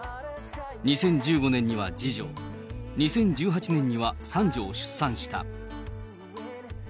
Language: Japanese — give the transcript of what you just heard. ２０１５年には次女、２０１８年には三女を出産した。